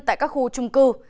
tại các khu trung cư